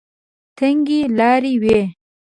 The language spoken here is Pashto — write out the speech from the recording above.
تنګې لارې وې.